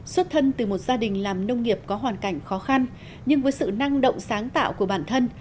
xuất thân từ một gia đình làm nông nghiệp có hoàn cảnh khó khăn nhưng với sự năng động sáng tạo của bản thân